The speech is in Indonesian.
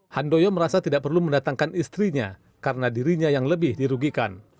handoyo merasa tidak perlu mendatangkan istrinya karena dirinya yang lebih dirugikan